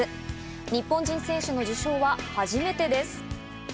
日本人選手の受賞は初めてです。